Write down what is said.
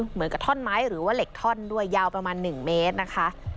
เหมือนกับท่อนไม้หรือว่าเหล็กท่อนด้วยยาวประมาณ๑เมตรนะคะ